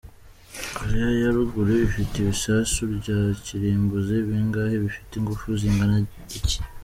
Koreya ya Ruguru ifite ibisasu bya kirimbuzi bingahe, bifite ingufu zingana iki?.